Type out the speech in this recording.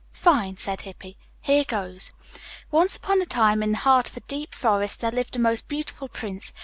"Fine," said Hippy. "Here goes:" "Once upon a time, in the heart of a deep forest, there lived a most beautiful prince.